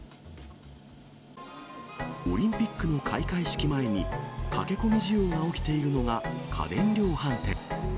オリンピックの開会式前に、駆け込み需要が起きているのが家電量販店。